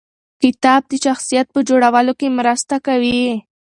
کتاب د شخصیت په جوړولو کې مرسته کوي.